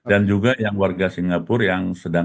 dan juga yang warga singapura yang sedang